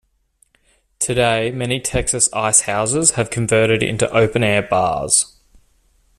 Today many Texas ice houses have converted into open-air bars.